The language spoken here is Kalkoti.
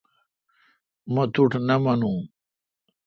مہ توٹھ نہ مانوں